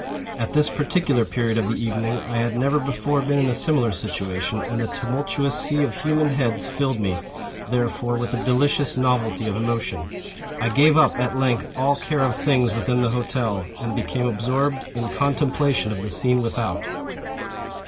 At this particular period of the evening I had never before been in a similar situation, and the tumultuous sea of human heads filled me, therefore, with a delicious novelty of emotion. I gave up, at length, all care of things within the hotel, and became absorbed in contemplation of the scene without.